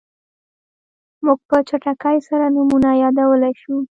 موږ په چټکۍ سره نومونه یادولی شو.